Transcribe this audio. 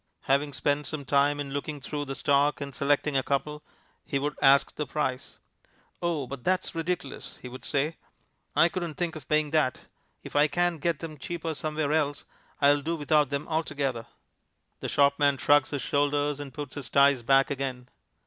Having spent some time in looking through the stock and selecting a couple, he would ask the price. "Oh, but that's ridiculous," he would say. "I couldn't think of paying that. If I can't get them cheaper somewhere else, I'll do without them altogether." The shopman shrugs his shoulders and puts his ties back again.